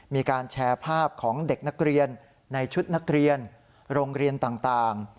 มีการแชร์ภาพของเด็กนักเรียนในชุดนักเรียนโรงเรียนต่าง